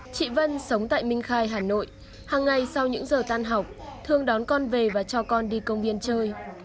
chị vân sống tại minh khai hà nội hàng ngày sau những giờ tan học thương đón con về và cho con đi công viên chơi